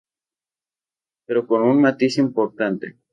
Pero con un matiz importante.